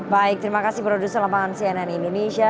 baik terima kasih produser lapangan cnn indonesia